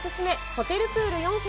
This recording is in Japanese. ホテルプール４選。